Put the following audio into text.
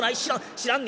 知らん？